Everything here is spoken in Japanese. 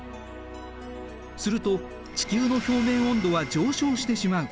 すると地球の表面温度は上昇してしまう。